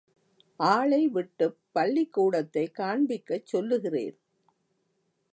ஆளைவிட்டுப் பள்ளிக்கூடத்தைக் காண்பிக்கச் சொல்லுகிறேன்.